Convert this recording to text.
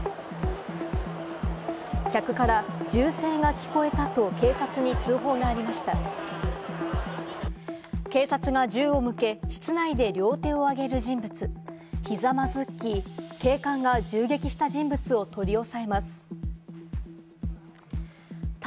客から、銃声が聞こえたと警察に通報がありました。